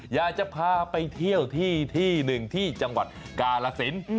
อยากจะพาไปเที่ยวที่ที่หนึ่งที่จังหวัดกาลสิน